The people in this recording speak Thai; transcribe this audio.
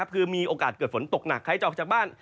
คือมีโอกาสเกิดฝนตกหนักใครจะออกจากบ้าน